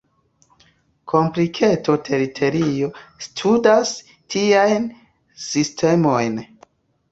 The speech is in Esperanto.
Komplikeco-teorio studas tiajn sistemojn.